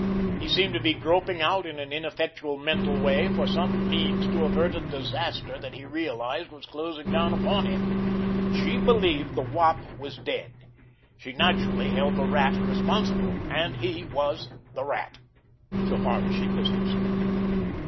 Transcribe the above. He seemed to be groping out in an ineffectual mental way for some means to avert a disaster that he realized was closing down upon him. She believed the Wop was dead. She naturally held the Rat responsible—and he was the Rat, so far as she was concerned.